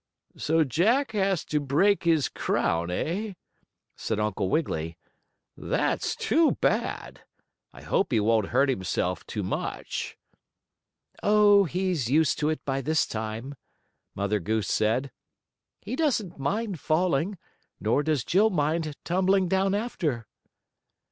"So Jack has to break his crown; eh?" asked Uncle Wiggily. "That's too bad. I hope he won't hurt himself too much." "Oh, he's used to it by this time," Mother Goose said. "He doesn't mind falling, nor does Jill mind tumbling down after."